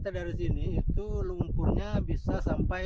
lima puluh meter dari sini itu lumpurnya bisa sampai